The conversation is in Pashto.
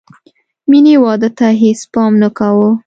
مینې واده ته هېڅ پام نه کاوه